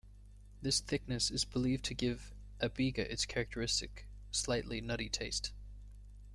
This thickness is believed to give a Biga its characteristic slightly nutty taste.